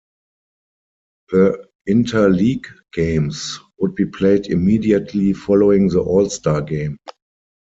The interleague games would be played immediately following the All-Star Game.